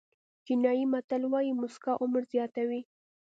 چینایي متل وایي موسکا عمر زیاتوي.